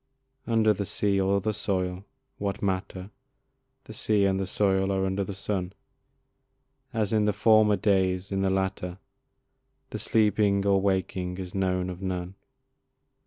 Under the sea or the soil (what matter? The sea and the soil are under the sun), As in the former days in the latter, The sleeping or waking is known of none.